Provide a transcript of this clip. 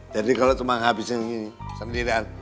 jadi kalo cuma habisin gini sendirian